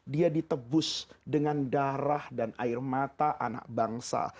dia ditebus dengan darah dan air mata anak bangsa